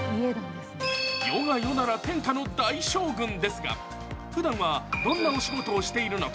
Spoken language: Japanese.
世が世なら天下の大将軍ですが、ふだんはどんなお仕事をしているのか、